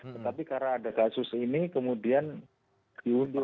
tapi karena ada kasus ini kemudian diundur